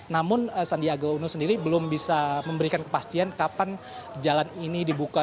namun sandiaga uno sendiri belum bisa memberikan kepastian kapan jalan ini dibuka